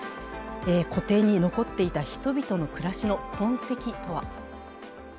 湖底に残っていた人々の暮らしの痕跡とは。